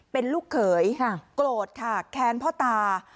เป็นลูกเขยโกรธค่ะแค้นพ่อตา